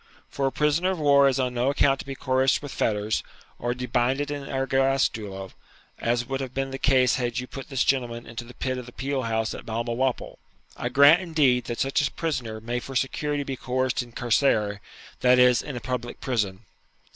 For a prisoner of war is on no account to be coerced with fetters, or debinded in ergastulo, as would have been the case had you put this gentleman into the pit of the peel house at Balmawhapple. I grant, indeed, that such a prisoner may for security be coerced in carcere, that is, in a public prison.'